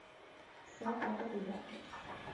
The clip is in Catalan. Ser capa de lladres.